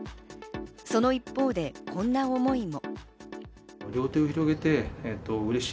その一方でこんな思いも。